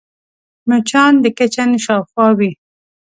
مچان د کچن شاوخوا وي